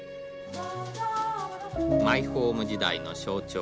マイホーム時代の象徴。